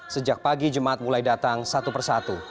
sejak pagi jemaat mulai datang satu persatu